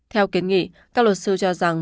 theo kiến nghị các luật sư cho rằng